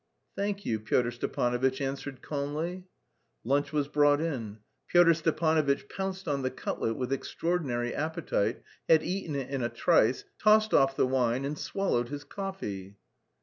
"Thank you," Pyotr Stepanovitch answered calmly. Lunch was brought in. Pyotr Stepanovitch pounced on the cutlet with extraordinary appetite, had eaten it in a trice, tossed off the wine and swallowed his coffee.